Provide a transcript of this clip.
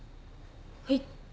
はい。